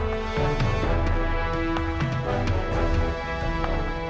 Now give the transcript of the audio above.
เหมือนตอนแม้แสดง